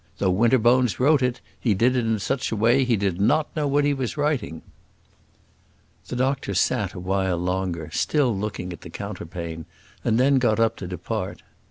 Though Winterbones wrote it, he did it in such a way he did not know what he was writing." The doctor sat a while longer, still looking at the counterpane, and then got up to depart.